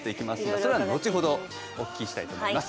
それは後ほどお聞きしたいと思います。